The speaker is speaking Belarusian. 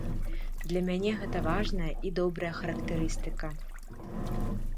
Для мяне гэта важная і добрая характарыстыка.